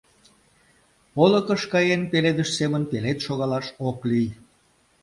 Олыкыш каен, пеледыш семын пелед шогалаш ок лий.